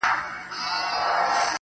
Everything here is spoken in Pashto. دغه د کرکي او نفرت کليمه,